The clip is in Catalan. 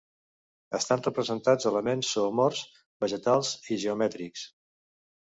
Estan representats elements zoomorfs, vegetals i geomètrics.